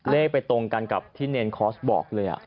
เลขไปตรงกันกับที่เนรคอร์สบอกเลย